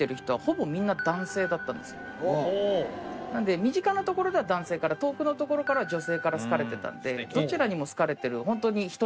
なんで身近なところでは男性から遠くのところからは女性から好かれてたんでどちらにも好かれてるホントに。